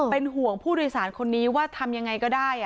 เป็นห่วงผู้โดยสารคนนี้ว่าทำยังไงก็ได้